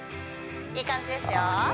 いい感じですよ